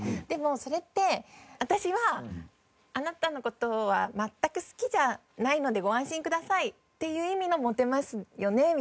でもそれって「私はあなたの事は全く好きじゃないのでご安心ください」っていう意味の「モテますよね？」